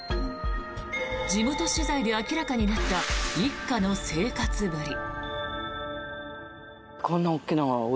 地元取材で明らかになった一家の生活ぶり。